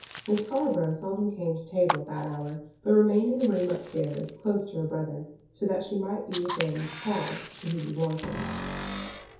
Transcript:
Miss Scarborough seldom came to table at that hour, but remained in a room up stairs, close to her brother, so that she might be within call should she be wanted.